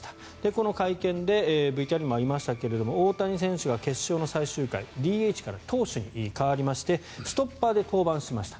この会見でＶＴＲにもありましたが大谷選手が決勝の最終回ＤＨから投手に変わりましてストッパーで登板しました。